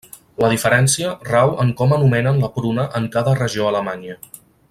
La diferència rau en com anomenen la pruna en cada regió alemanya.